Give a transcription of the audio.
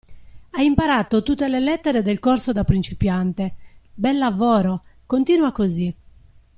Hai imparato tutte le lettere del corso da principiante. Bel lavoro, continua così!